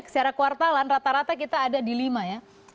secara kuartalan rata rata kita ada di lima ya